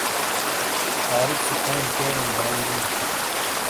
عارف سے کھین کھینو بانگ دیوں۔